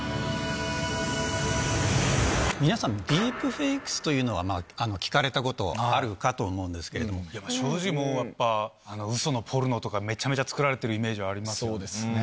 皆さん、ディープフェイクスというのは、聞かれたことあるかと思うんですやっぱ正直、うそのポルノとか、めちゃめちゃ作られてるイメージはありますよね。